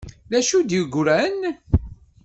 D acu ay d-yeggran?